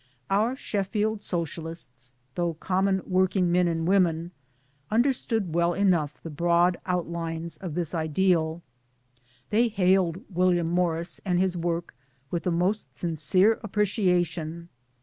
Our " Sheffield Socialists," though common work ing men and women, understood well enough the broad outlines of this ideal. They hailed William' Morris and his work with the most sincere appre ciation.